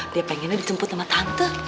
dia pengennya dijemput sama tante